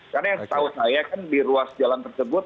karena yang saya tahu kan di ruas jalan tersebut